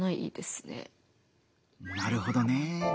なるほどね。